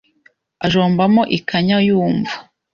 ajombamo ikanya yumva